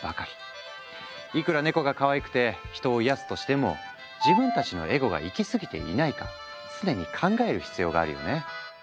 いくらネコがかわいくて人を癒やすとしても自分たちのエゴが行き過ぎていないか常に考える必要があるよね。